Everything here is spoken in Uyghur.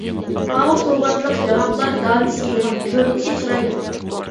ماۋۇ سوۋغاتلىق ياڭاقلار، دانىسى يوغان، كۆرۈنۈشى چىرايلىق.